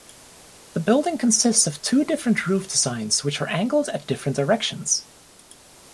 The building consists of two different roof designs which are angled at different directions.